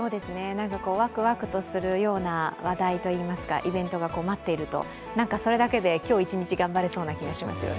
ワクワクとするような話題といいますかイベントが待っていると、それだけで今日一日頑張れそうな気がしますよね。